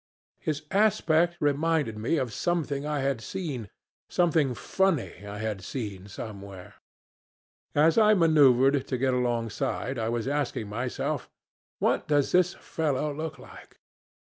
"His aspect reminded me of something I had seen something funny I had seen somewhere. As I maneuvered to get alongside, I was asking myself, 'What does this fellow look like?'